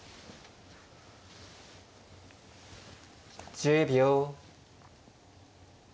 １０秒。